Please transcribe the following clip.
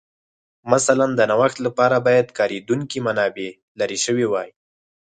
مثلاً د نوښت لپاره باید کارېدونکې منابع لرې شوې وای